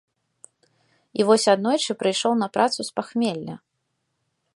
І вось аднойчы прыйшоў на працу з пахмелля.